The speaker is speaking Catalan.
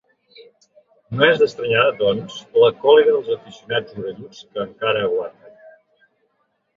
No és d’estranyar, doncs, la còlera dels aficionats orelluts que encara aguanten.